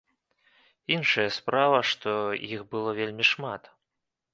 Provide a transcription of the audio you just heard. Іншая справа, што іх было вельмі шмат.